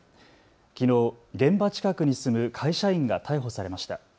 きのう現場近くに住む会社員が逮捕されました。